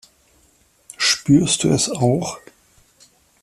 Spürst du es auch?